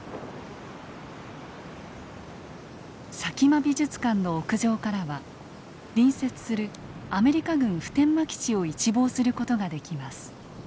佐喜眞美術館の屋上からは隣接するアメリカ軍普天間基地を一望する事ができます。